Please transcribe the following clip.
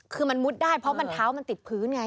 คือมันมุดได้เพราะมันเท้ามันติดพื้นไง